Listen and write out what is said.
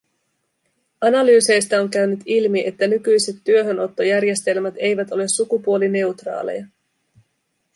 Analyyseistä on käynyt ilmi, että nykyiset työhönottojärjestelmät eivät ole sukupuolineutraaleja.